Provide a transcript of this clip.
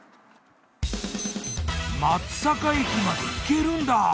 松阪駅まで行けるんだ。